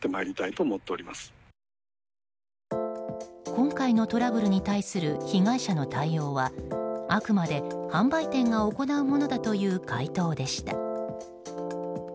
今回のトラブルに対する被害者の対応はあくまで販売店が行うものだという回答でした。